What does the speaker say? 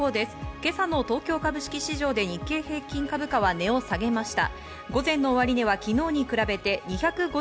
今朝の東京株式市場で日経平均株価は値を下げました。